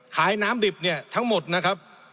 ขายน้ำดิบทั้งหมดนะครับ